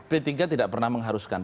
p tiga tidak pernah mengharuskan